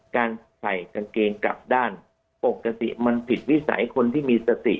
การใส่กางเกงกลับด้านปกติมันผิดวิสัยคนที่มีสติ